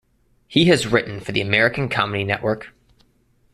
He has written for the American Comedy Network.